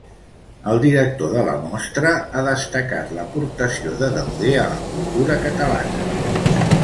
El director de la Mostra ha destacat l'aportació de Dauder a la cultura catalana.